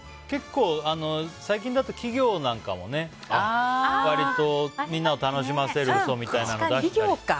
結構、最近だと企業なんかも割とみんなを楽しませる嘘みたいなの出したり。